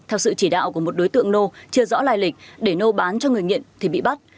theo sự chỉ đạo của một đối tượng nô chưa rõ lai lịch để nô bán cho người nghiện thì bị bắt